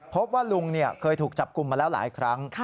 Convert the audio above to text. พบว่าลุงเคยถูกจับกลุ่มมาแล้วหลายครั้ง